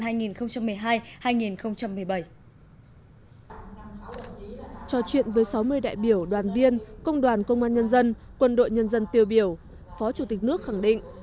trò chuyện với sáu mươi đại biểu đoàn viên công đoàn công an nhân dân quân đội nhân dân tiêu biểu phó chủ tịch nước khẳng định